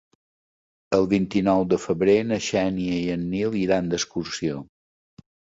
El vint-i-nou de febrer na Xènia i en Nil iran d'excursió.